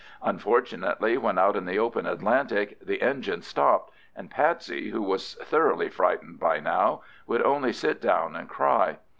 Unfortunately, when out in the open Atlantic, the engine stopped, and Patsy, who was thoroughly frightened by now, would only sit down and cry.